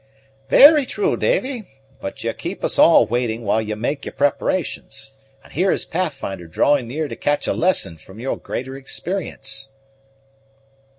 "Very true, Davy; but ye keep us all waiting while ye make your preparations; and here is Pathfinder drawing near to catch a lesson from your greater experience."